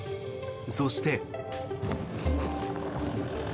そして。